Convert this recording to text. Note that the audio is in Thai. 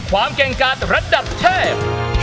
ความเก่งกาดระดับเทพ